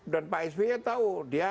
dan pak spy tau